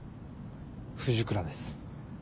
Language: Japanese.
藤倉です。